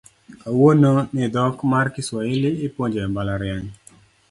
Kawuono ni dhok mar Kiswahili ipuonjo e mbalariany